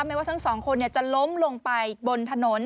ไม่ว่าทั้งสองคนเนี่ยจะล้มลงไปบนถนน